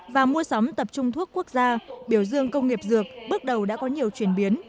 và mua sắm tập trung thuốc quốc gia biểu dương công nghiệp dược bước đầu đã có nhiều chuyển biến